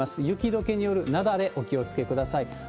雪どけによる雪崩、お気をつけください。